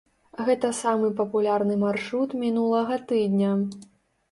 Гэта самы папулярны маршрут мінулага тыдня.